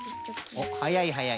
おっはやいはやい。